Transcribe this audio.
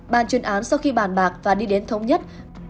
bàn chuyên án sau khi bàn bạc và đi đến thống nhất